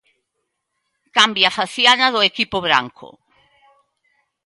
Cambia a faciana do equipo branco.